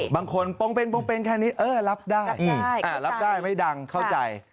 บางคนโปรงเป็นแค่นี้เออรับได้รับได้ไม่ดังเข้าใจ